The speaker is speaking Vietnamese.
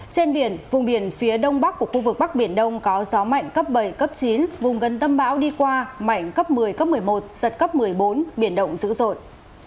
trên biển vùng biển phía đông bắc của khu vực bắc biển đông có gió mạnh cấp bảy cấp chín vùng gần tâm bão đi qua mạnh cấp một mươi cấp một mươi một giật cấp một mươi bốn biển động dữ dội